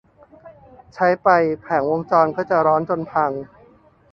ใช้ไปแผงวงจรก็จะร้อนจนพัง